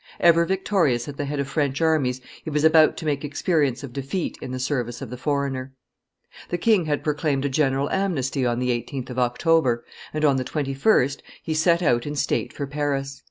Ever victorious at the head of French armies, he was about to make experience of defeat in the service of the foreigner. The king had proclaimed a general amnesty on the 18th of October; and on the 21st he set out in state for Paris.